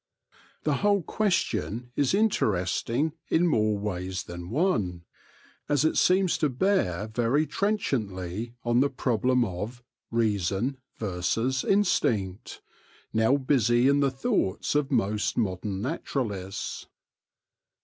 The whole ques tion is interesting in more ways than one, as it seems D 7% THE LORE OF THE HONEY BEE to bear very trenchantly on the problem of " Reason versus Instinct/ ' now busy in the thoughts of most modern naturalists.